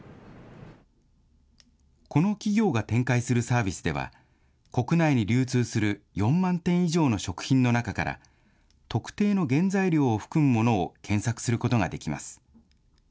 この企業が展開するサービスでは、国内に流通する４万点以上の食品の中から、特定の原材料を含むものを検索することができます。